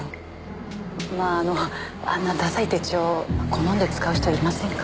まああのあんなダサい手帳好んで使う人いませんから。